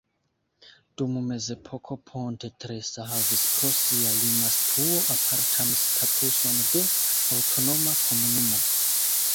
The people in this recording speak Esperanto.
Dum mezepoko Ponte Tresa havis pro sia lima situo apartan statuson de aŭtonoma komunumo.